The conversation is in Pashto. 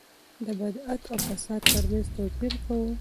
د بدعت او فساد ترمنځ يې توپير کاوه.